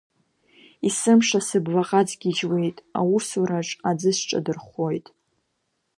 Есымша сыблахаҵ гьежьуеит, аусураҿ аӡы сҿадырхәхәоит.